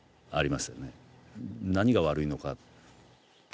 何が悪いのか。